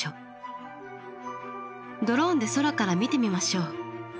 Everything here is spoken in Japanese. ドローンで空から見てみましょう。